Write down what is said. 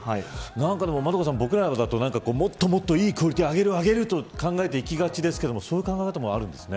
僕らはもっともっとクオリティーを上げると考えていきがちですがそういう考え方もあるんですね。